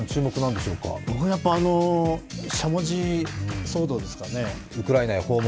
僕、しゃもじ騒動ですかね。